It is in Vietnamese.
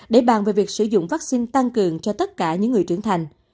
để bàn về việc sử dụng vaccine tăng cường cho tất cả những người trưởng thành